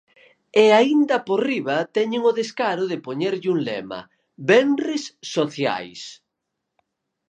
E aínda por riba teñen o descaro de poñerlle un lema, 'Venres sociais'.